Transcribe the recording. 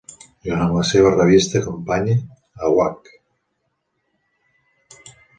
Junt amb la seva revista companya, Awake!